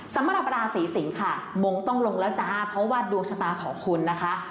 สำหรับราศีสิงค่ะมงค์ต้องลงแล้วจ้าเพราะว่าดวงชะตาของคุณนะคะ